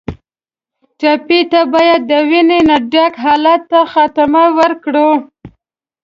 ټپي ته باید د وینې نه ډک حالت ته خاتمه ورکړو.